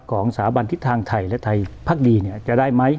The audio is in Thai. สาบันทิศทางไทยและไทยพักดีจะได้ไหม